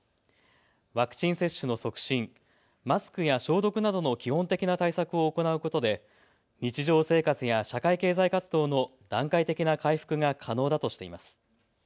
ワクチン接種の促進、マスクや消毒などの基本的な対策を行うことで日常生活や社会経済活動の段階的な回復が可能だとしています。